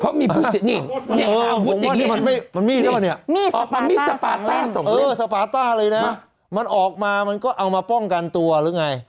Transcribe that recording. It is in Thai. เพราะมีอาวุธอย่างนี้มันมีแล้วหรือเปล่ามีสปาต้าสองเล็กสปาต้าเลยนะมันออกมามันก็เอามาป้องกันตัวหรือไง